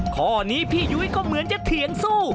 ข้อนี้พี่ยุ้ยก็เหมือนจะเถียงสู้